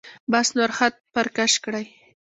بس نور خط پر کش کړئ.